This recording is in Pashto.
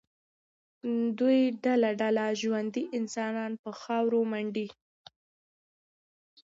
دوی ډله ډله ژوندي انسانان په خاورو منډي.